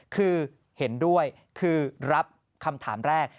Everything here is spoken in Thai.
คือเห็นด้วยคือรับคำถามแรก